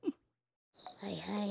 はいはい。